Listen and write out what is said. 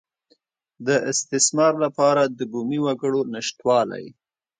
د استثمار لپاره د بومي وګړو نشتوالی.